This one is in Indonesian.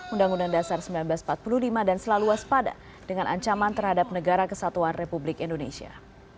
undang undang dasar seribu sembilan ratus empat puluh lima dan selalu waspada dengan ancaman terhadap negara kesatuan republik indonesia